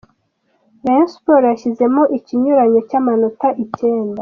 Rayon Sports yashyizemo ikinyuranyo cy’amanota icyenda.